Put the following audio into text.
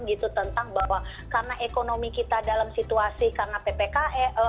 gitu tentang bahwa karena ekonomi kita dalam situasi karena ppkm